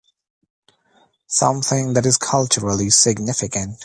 Something that's culturally significant.